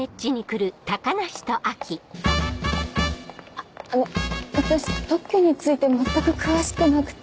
あっあの私特許について全く詳しくなくて。